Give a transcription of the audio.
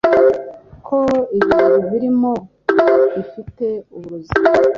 ko ibintu birimo bifite uburozi